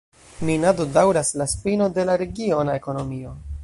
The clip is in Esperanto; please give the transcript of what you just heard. Minado daŭras la spino de la regiona ekonomio.